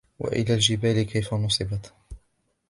وإلى الجبال كيف نصبت